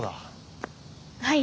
はい。